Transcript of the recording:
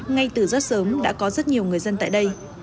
ngay từ rất sớm đã có rất nhiều người dân tại đây